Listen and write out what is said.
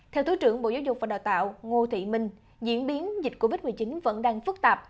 theo thứ trưởng bộ giáo dục và đào tạo ngô thị minh diễn biến dịch covid một mươi chín vẫn đang phức tạp